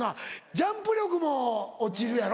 ジャンプ力も落ちるやろ？